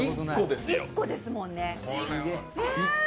１個ですもんね。